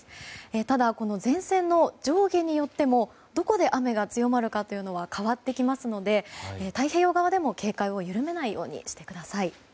ただ、前線の上下によってもどこで雨が強まるかというのは変わってきますので太平洋側でも警戒を緩めないようにしてください。